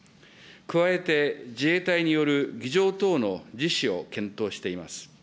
加えて、自衛隊による儀じょう等の実施を検討しています。